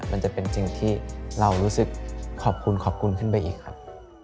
มันจะเป็นสิ่งที่เรารู้สึกขอบคุณขอบคุณขึ้นไปอีกครับ